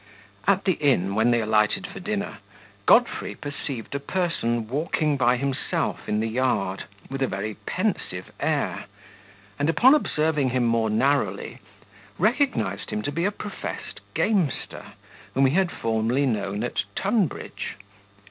At the inn, when they alighted for dinner, Godfrey perceived a person walking by himself in the yard, with a very pensive air, and, upon observing him more narrowly, recognised him to be a professed gamester, whom he had formerly known at Tunbridge.